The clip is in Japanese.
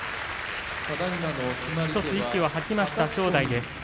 １つ息を吐きました正代です。